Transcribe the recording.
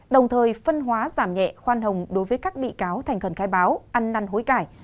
đồng thời phân hóa giảm nhẹ khoan hồng đối với các bị cáo thành khẩn khai báo ăn năn hối cải